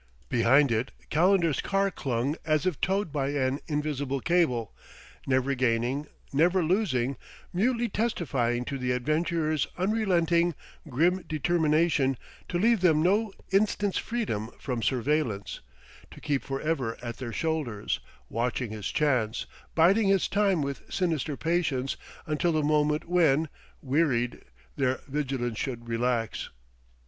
Behind it Calendar's car clung as if towed by an invisible cable, never gaining, never losing, mutely testifying to the adventurer's unrelenting, grim determination to leave them no instant's freedom from surveillance, to keep for ever at their shoulders, watching his chance, biding his time with sinister patience until the moment when, wearied, their vigilance should relax....